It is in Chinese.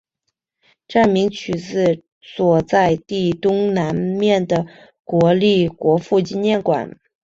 站名取自所在地东南边的国立国父纪念馆。